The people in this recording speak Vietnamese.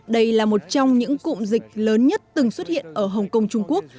đây là một trong những cụm dịch lớn nhất từng xuất hiện ở hồng kông trung quốc